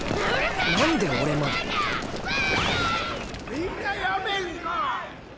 みんなやめんか！